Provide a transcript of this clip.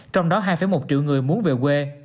trong đó hai một triệu người muốn về quê